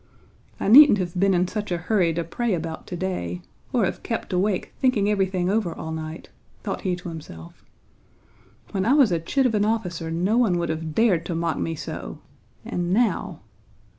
"I needn't have been in such a hurry to pray about today, or have kept awake thinking everything over all night," thought he to himself. "When I was a chit of an officer no one would have dared to mock me so... and now!"